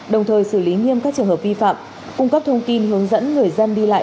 đồng thời xử lý nghiêm các trường hợp vi phạm cung cấp thông tin hướng dẫn người dân đi lại